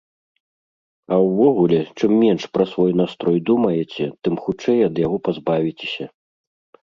А ўвогуле, чым менш пра свой настрой думаеце, тым хутчэй ад яго пазбавіцеся.